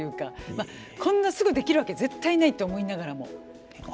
まあこんなすぐできるわけ絶対ないと思いながらも。